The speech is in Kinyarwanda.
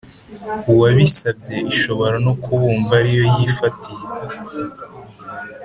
uwabisabye Ishobora no kubumva ari yo yifatiye